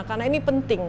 karena ini penting